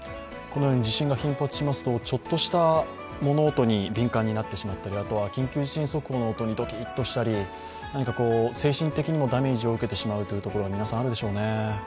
このように地震が頻発しますとちょっとした物音に敏感になってしまったり、緊急地震速報の音にどきっとしたり、何か精神的にもダメージをうけてしまうというところも皆さんあるでしょうね。